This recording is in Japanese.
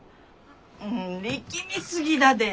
うん力み過ぎだで。